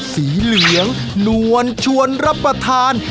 สีเหลืองนวลชวนรับประทาน